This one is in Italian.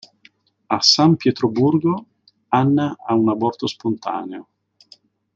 A San Pietroburgo, Anna ha un aborto spontaneo.